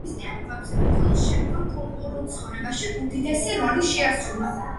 ქრისტიანობამ საქართველოს შემდგომ კულტურულ ცხოვრებაში, უდიდესი როლი შეასრულა.